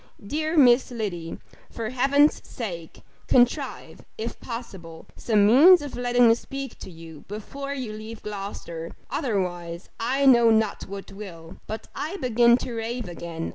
Dear Miss Liddy! for Heaven's sake, contrive, if possible, some means of letting me speak to you before you leave Gloucester; otherwise, I know not what will But I begin to rave again.